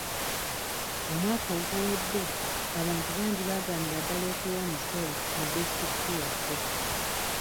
Omwaka oguwedde, abantu bangi baagaanira ddala okuwa omusolo mu disitulikiti yaffe.